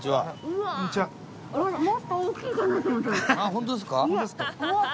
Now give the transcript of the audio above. ホントですか？